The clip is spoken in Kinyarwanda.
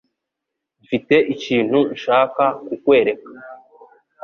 Mfite ikintu nshaka kukwereka.